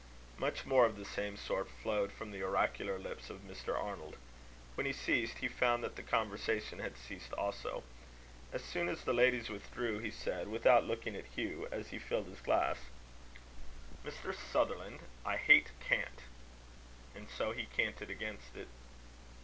Much more of the same sort flowed from the oracular lips of Mr. Arnold. When he ceased, he found that the conversation had ceased also. As soon as the ladies withdrew, he said, without looking at Hugh, as he filled his glass: "Mr. Sutherland, I hate cant." And so he canted against it.